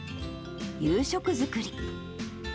夕食作り。